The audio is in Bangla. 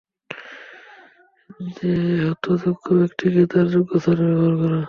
তা হত যোগ্য ব্যক্তিকে তার যোগ্যস্থানে ব্যবহার করে।